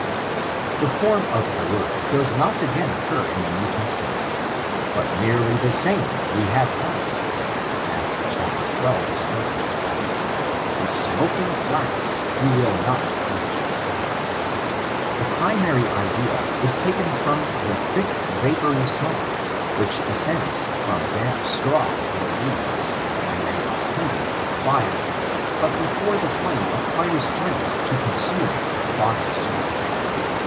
This form of the word does not again occur in the New Testament; but nearly the same we have once, Matt. xiL 20, "The smoking flax he will not quench/' %^l^k^^t^ ' I I ' 556 STRIOXUBSS tuphcmcKon Unan. The primary idea is taken from the thick vapory imoke, which ascends from damp straw or weeds^ when they are kindled with fire, but before the flame acquires strength to consume the £oggj smoke.